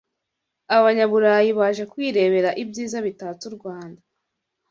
Abanyaburayi baje kwirebera ibyiza bitatse u Rwanda